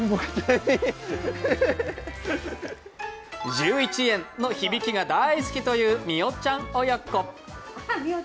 １１円の響きが大好きというみおちゃん親子。